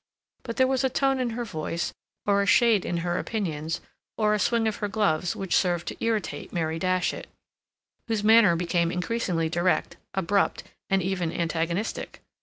But there was a tone in her voice, or a shade in her opinions, or a swing of her gloves which served to irritate Mary Datchet, whose manner became increasingly direct, abrupt, and even antagonistic.